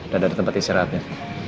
dan ada tempat istirahatnya